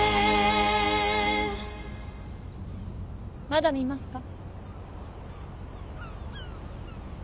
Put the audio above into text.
まだ見ますか？